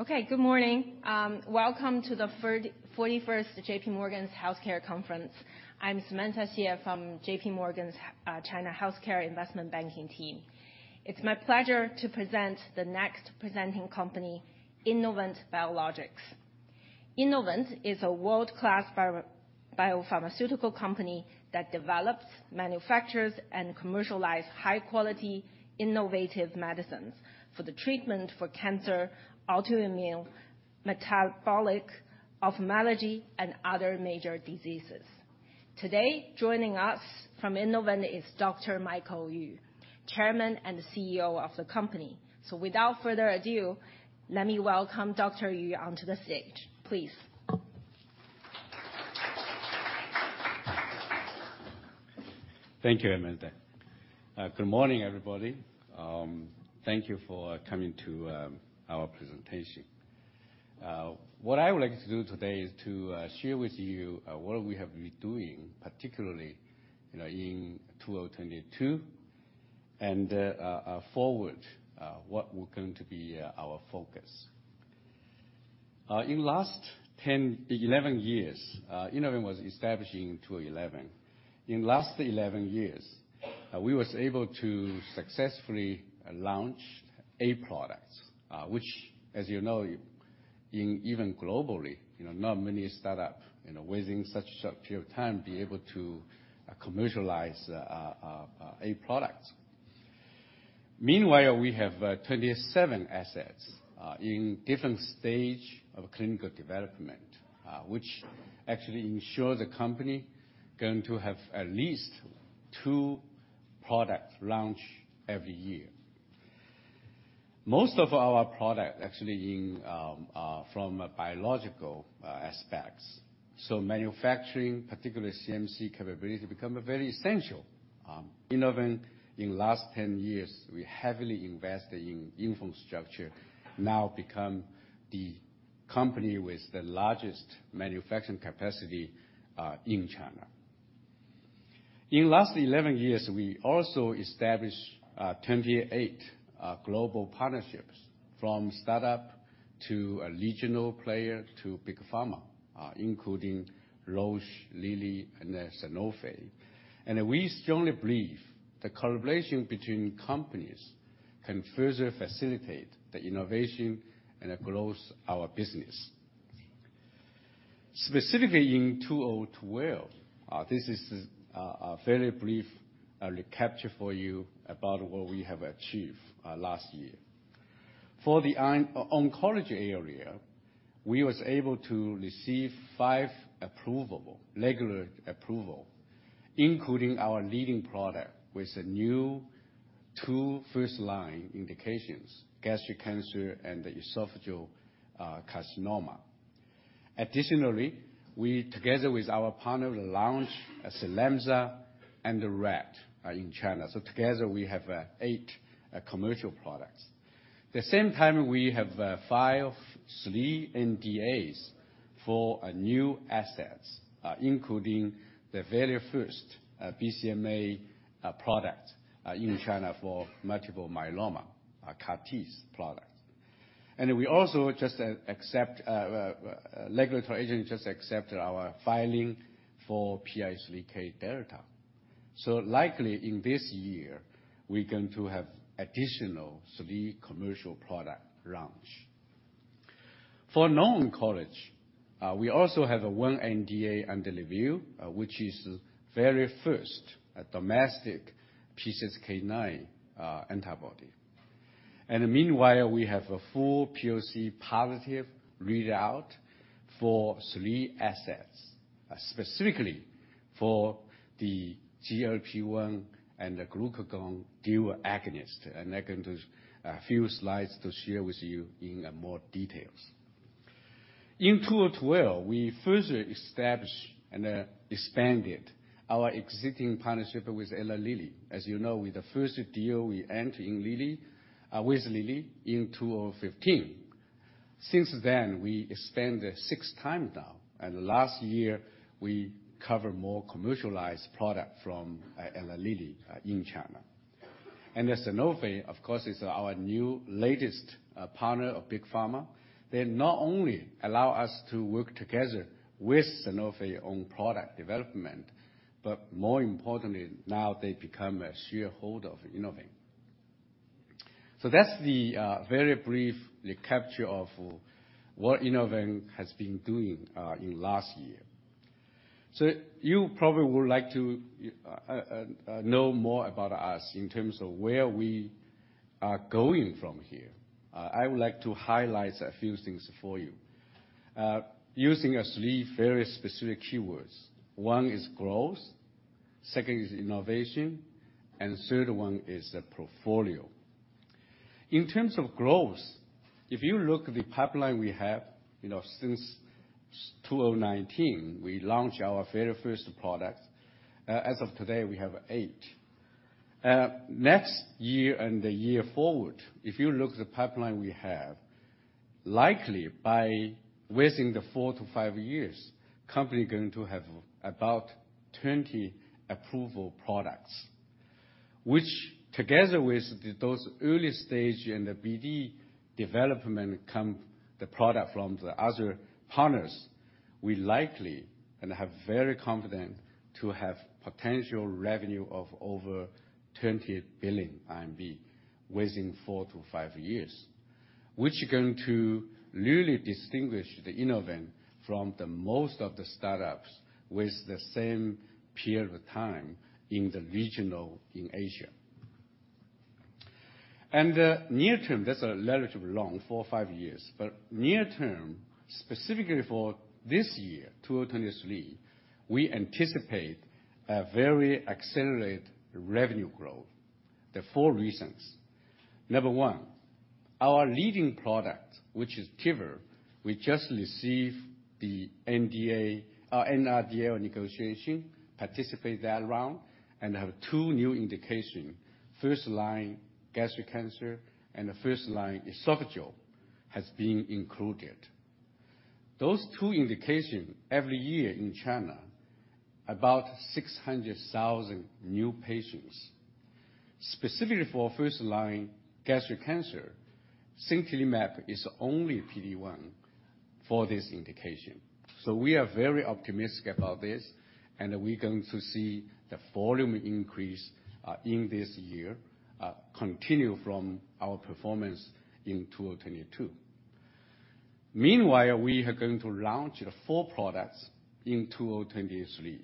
Okay, good morning. Welcome to the 41st J.P. Morgan's Healthcare Conference. I'm Samantha Xie from J.P. Morgan's China Healthcare Investment Banking Team. It's my pleasure to present the next presenting company, Innovent Biologics. Innovent is a world-class biopharmaceutical company that develops, manufactures, and commercialize high-quality, innovative medicines for the treatment for cancer, autoimmune, metabolic, ophthalmology, and other major diseases. Today, joining us from Innovent is Dr. Michael Yu, Chairman and CEO of the company. Without further ado, let me welcome Dr. Yu onto the stage, please. Thank you, Amanda. Good morning, everybody. Thank you for coming to our presentation. What I would like to do today is to share with you what we have been doing, particularly, you know, in 2022, and forward, what we're going to be our focus. In last 10, 11 years, Innovent was establishing in 2011. In last 11 years, we was able to successfully launch eight products, which, as you know, in even globally, you know, not many startup, you know, within such a short period of time, be able to commercialize eight products. Meanwhile, we have 27 assets in different stage of clinical development, which actually ensure the company going to have at least two products launch every year. Most of our product actually in from biological aspects, so manufacturing, particularly CMC capability, become very essential. Innovent in last 10 years, we heavily invest in infrastructure, now become the company with the largest manufacturing capacity in China. In last 11 years, we also established 28 global partnerships, from startup to a regional player to big pharma, including Roche, Lilly, and Sanofi. We strongly believe the collaboration between companies can further facilitate the innovation and grows our business. Specifically in 2012, this is a very brief recapture for you about what we have achieved last year. For the oncology area, we was able to receive five approvable, regulatory approval, including our leading product with a new two first-line indications, gastric cancer and esophageal carcinoma. Additionally, we together with our partner, launch a Selenza and RET in China. Together we have eight commercial products. The same time, we have three NDAs for new assets, including the very first BCMA product in China for multiple myeloma, a CAR T product. We also just regulatory agency just accepted our filing for PI3K delta. Likely in this year, we're going to have additional three commercial product launch. For non-oncology, we also have 1 NDA under review, which is very first domestic PCSK9 antibody. Meanwhile, we have a full POC positive readout for three assets, specifically for the GLP-1 and the glucagon dual agonist. I can do a few slides to share with you in more details. In 2012, we further established and expanded our existing partnership with Eli Lilly. As you know, with the first deal we entered in Lilly, with Lilly in 2015. Since then, we expand the sixth time now. Last year, we cover more commercialized product from Eli Lilly in China. Sanofi, of course, is our new latest partner of Big Pharma. They not only allow us to work together with Sanofi on product development, but more importantly, now they become a shareholder of Innovent. That's the very brief recapture of what Innovent has been doing in last year. You probably would like to know more about us in terms of where we are going from here. I would like to highlight a few things for you, using three very specific keywords. One is growth, second is innovation, and third one is the portfolio. In terms of growth, if you look at the pipeline we have, you know, since 2019, we launched our very first product. As of today, we have eight. Next year and the year forward, if you look at the pipeline we have, likely by within the four to five years, company going to have about 20 approval products. Which together with those early stage and the BD development come the product from the other partners, we likely and have very confident to have potential revenue of over 20 billion RMB within four to five years, which is going to really distinguish the Innovent from the most of the start-ups with the same period of time in the regional in Asia. The near term, that's relatively long, four or five years, but near term, specifically for this year, 2023, we anticipate a very accelerated revenue growth. There are four reasons. Number one, our leading product, which is TYVYT, we just received the NDA or NRDL negotiation, participate that round, and have two new indication, first line gastric cancer and the first line esophageal has been included. Those two indications, every year in China, about 600,000 new patients. Specifically for first line gastric cancer, sintilimab is only PD-1 for this indication. We are very optimistic about this, and we're going to see the volume increase in this year, continue from our performance in 2022. Meanwhile, we are going to launch the four products in 2023.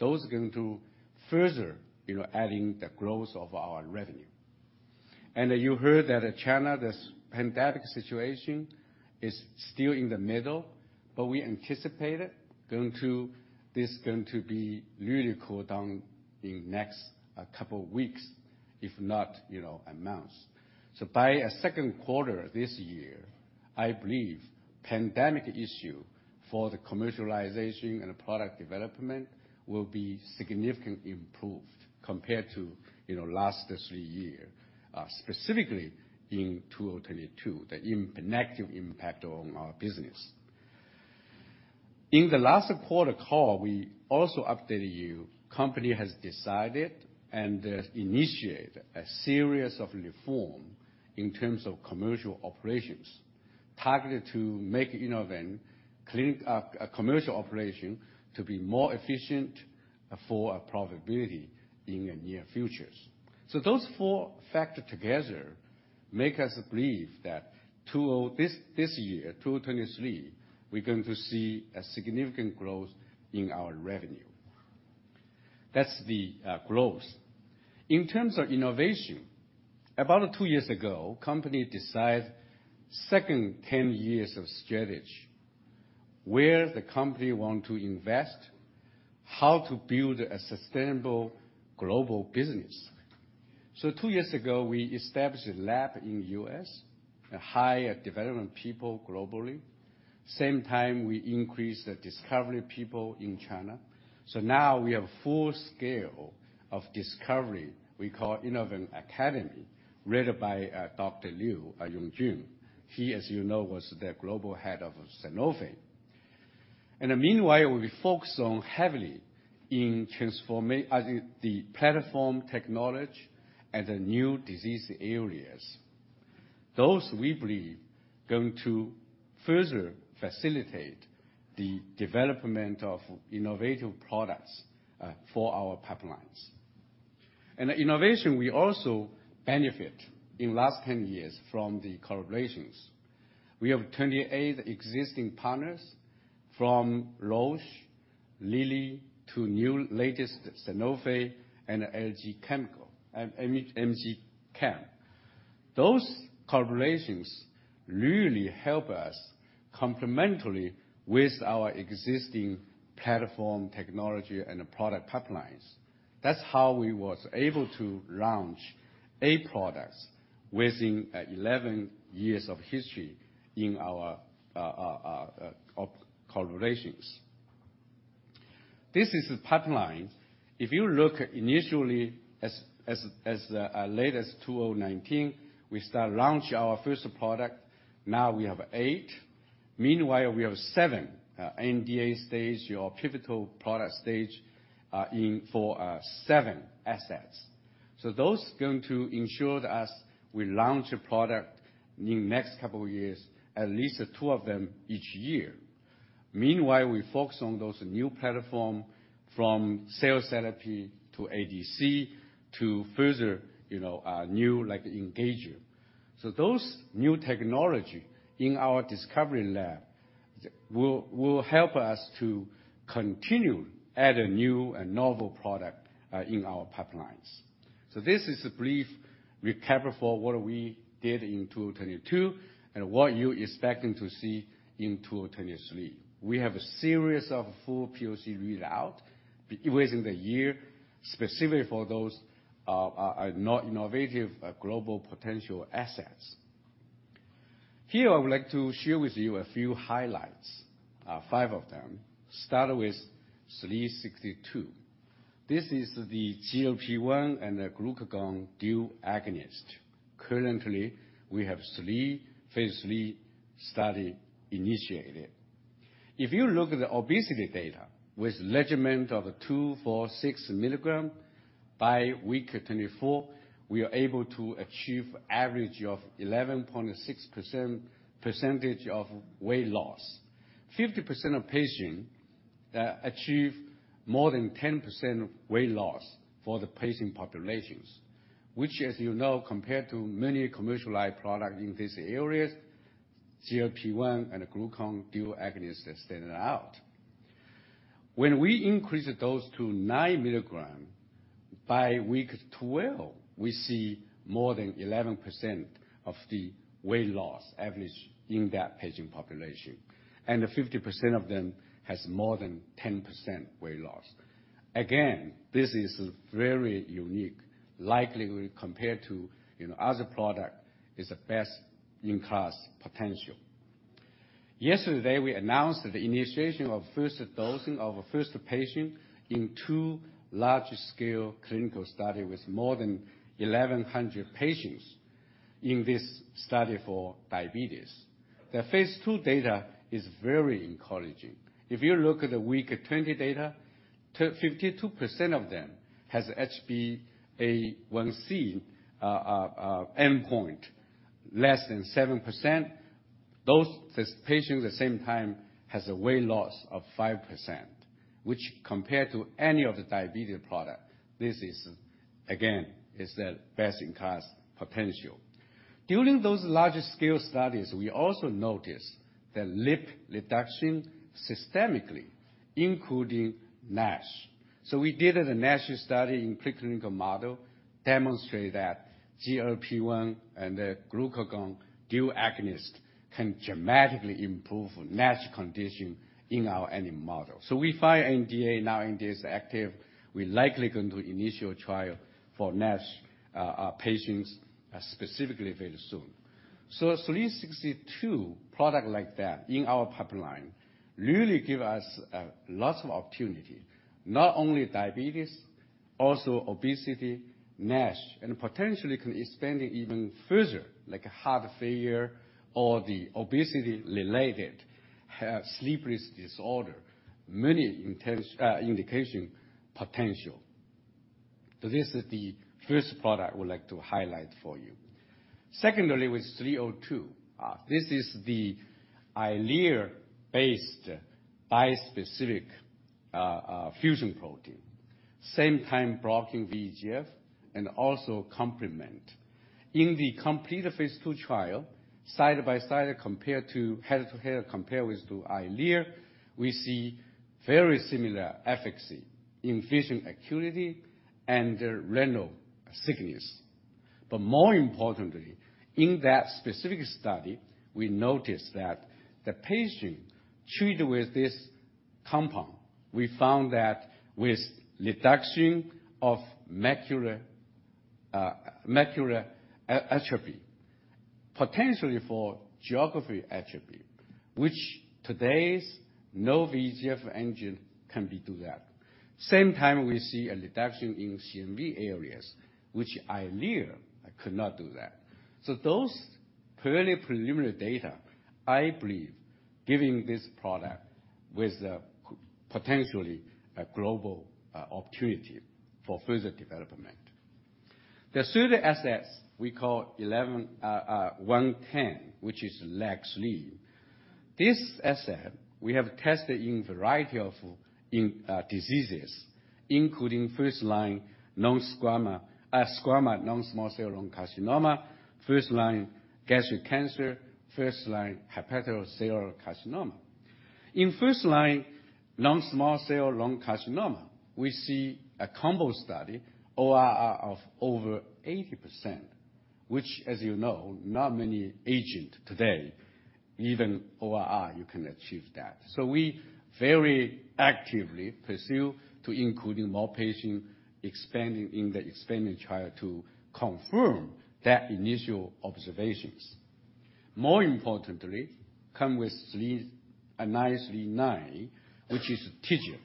Those are going to further, you know, adding the growth of our revenue. You heard that China, this pandemic situation is still in the middle, but we anticipate this going to be really cool down in next couple weeks, if not, you know, a month. By second quarter this year, I believe pandemic issue for the commercialization and product development will be significantly improved compared to, you know, last three year, specifically in 2022, the negative impact on our business. In the last quarter call, we also updated you, company has decided and initiate a series of reform in terms of commercial operations targeted to make Innovent commercial operation to be more efficient for profitability in the near futures. Those four factors together make us believe that this year, 2023, we're going to see a significant growth in our revenue. That's the growth. In terms of innovation, about two years ago, company decide second 10 years of strategy, where the company want to invest, how to build a sustainable global business. two years ago, we established a lab in U.S., hire development people globally. Same time, we increased the discovery people in China. Now we have full scale of discovery we call Innovent Academy, led by Dr. Yongjun Liu. He, as you know, was the global head of Sanofi. Meanwhile, we focus on heavily in transformation as the platform technology and the new disease areas. Those we believe going to further facilitate the development of innovative products for our pipelines. Innovation, we also benefit in last 10 years from the collaborations. We have 28 existing partners, from Roche, Lilly to new latest Sanofi and LG Chem. Those collaborations really help us complementarily with our existing platform technology and the product pipelines. That's how we was able to launch 8 products within 11 years of history in our co-collaborations. This is the pipeline. If you look initially late as 2019, we start launch our first product. Now we have eight. Meanwhile, we have 7 NDA stage, your pivotal product stage in for seven assets. So those going to ensure that as we launch a product in the next couple of years, at least two of them each year. Meanwhile, we focus on those new platform from cell therapy to ADC to further, you know, new like engager. So those new technology in our discovery lab will help us to continue add a new and novel product in our pipelines. This is a brief recap for what we did in 2022 and what you expecting to see in 2023. We have a series of full POC read out within the year, specifically for those innovative global potential assets. Here, I would like to share with you a few highlights, five of them. Start with 362. This is the GLP-1 and glucagon dual agonist. Currently, we have three phase III study initiated. If you look at the obesity data with regimen of two, four, 6 mg, by week 24, we are able to achieve average of 11.6% percentage of weight loss. 50% of patients achieve more than 10% of weight loss for the patient populations, which as you know, compared to many commercialized products in these areas, GLP-1 and glucagon dual agonists have standing out. When we increase the dose to 9 mg, by week 12, we see more than 11% of the weight loss average in that patient population, and 50% of them has more than 10% weight loss. Again, this is very unique. Likely when compared to, you know, other product, is the best-in-class potential. Yesterday, we announced the initiation of first dosing of first patient in 2 large-scale clinical study with more than 1,100 patients in this study for diabetes. The phase II data is very encouraging. If you look at the week-20 data, 52% of them has HBA1C endpoint, less than 7%. This patient at the same time has a weight loss of 5%, which compared to any other diabetes product, this is again, is the best-in-class potential. During those larger scale studies, we also notice the lip reduction systemically, including NASH. We did a NASH study in preclinical model, demonstrate that GLP-1 and the glucagon dual agonist can dramatically improve NASH condition in our animal model. We file NDA now in this active, we're likely going to initial trial for NASH patients specifically very soon. 362 product like that in our pipeline really give us lots of opportunity, not only diabetes, also obesity, NASH, and potentially can expand it even further, like heart failure or the obesity-related sleeplessness disorder, many indication potential. This is the first product I would like to highlight for you. Secondly, with 302. This is the Eylea-based bispecific fusion protein. Same time blocking VEGF and also complement. In the complete phase II trial, side by side, compared to head to head compare with the Eylea, we see very similar efficacy in vision acuity and retinal thickness. More importantly, in that specific study, we noticed that the patient treated with this compound, we found that with reduction of macular atrophy, potentially for geographic atrophy, which today's no VEGF engine can be do that. Same time we see a reduction in CNV areas, which Eylea could not do that. Those purely preliminary data, I believe, giving this product with potentially a global opportunity for further development. The third asset we call IBI110, which is Lexli. This asset we have tested in a variety of diseases, including first-line non-small cell lung carcinoma, first-line gastric cancer, first-line hepatocellular carcinoma. In first-line lung small cell lung carcinoma, we see a combo study ORR of over 80%, which as you know, not many agent today, even ORR, you can achieve that. We very actively pursue to including more patient, expanding in the expanded trial to confirm that initial observations. More importantly, come with IBI939, which is TIGIT.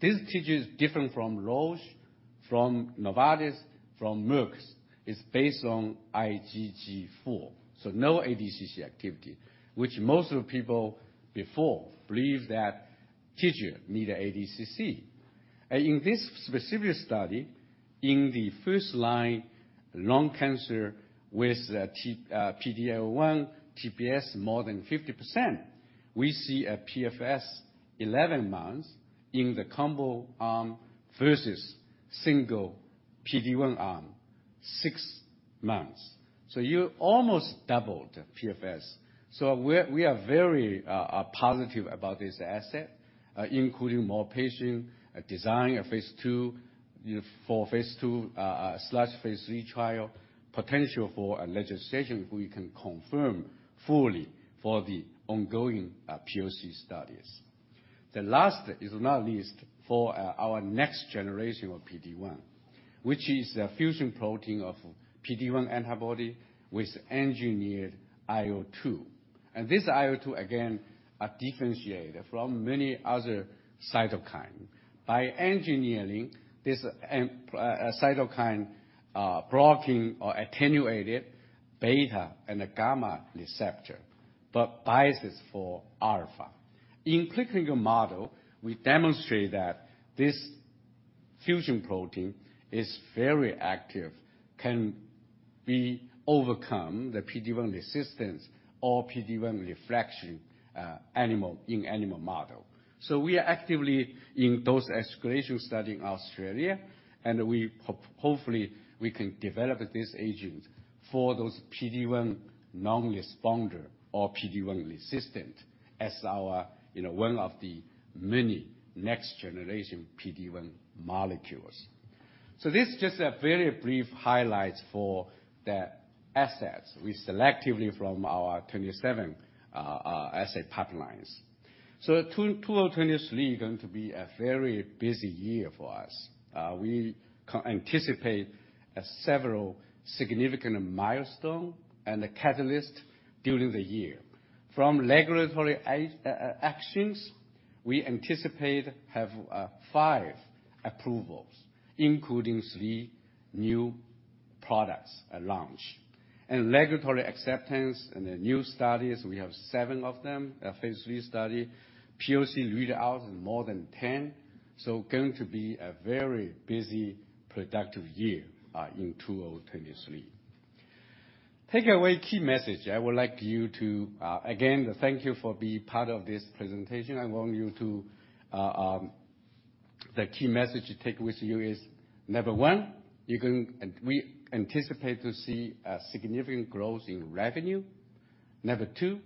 This TIGIT is different from Roche, from Novartis, from Merck's. It's based on IgG4, no ADCC activity, which most of the people before believe that TIGIT need ADCC. In this specific study, in the first line lung cancer with PDL1 TPS more than 50%, we see a PFS 11 months in the combo versus single PD-1 six months. You almost doubled PFS. We are very positive about this asset, including more patient, design a phase ii/phase III trial, potential for a registration if we can confirm fully for the ongoing POC studies. The last is not least for our next generation of PD-1, which is a fusion protein of PD-1 antibody with engineered IL-2. This IL-2, again, are differentiated from many other cytokine. By engineering this cytokine, blocking or attenuated beta and a gamma receptor, but biases for alpha. In clinical model, we demonstrate that this fusion protein is very active, can be overcome the PD-1 resistance or PD-1 refraction in animal model. We are actively in those escalation study in Australia, and we hopefully we can develop this agent for those PD-1 non-responder or PD-1 resistant as our, you know, one of the many next generation PD-1 molecules. This is just a very brief highlights for the assets we selectively from our 27 asset pipelines. 2023 going to be a very busy year for us. We anticipate several significant milestone and a catalyst during the year. From regulatory actions, we anticipate have five approvals, including three new products launch. Regulatory acceptance and new studies, we have seven of them, phase III study. POC read out in more than 10. Going to be a very busy, productive year in 2023. Takeaway key message. I would like you to... Again, thank you for being part of this presentation. I want you to, the key message to take with you is, Number one, we anticipate to see a significant growth in revenue. Number two,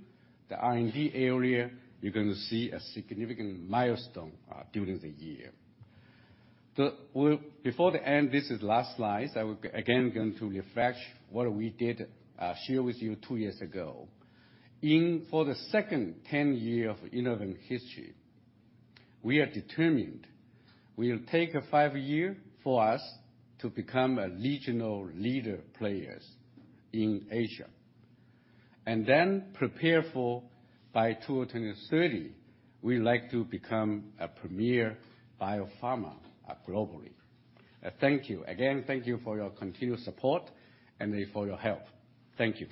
the R&D area, you're gonna see a significant milestone during the year. Before the end, this is last slide. I will again come to refresh what we did share with you two years ago. For the second 10 year of Innovent history, we are determined. We will take a five year for us to become a regional leader players in Asia, prepare for by 2030, we like to become a premier biopharma globally. Thank you. Again, thank you for your continued support and for your help. Thank you.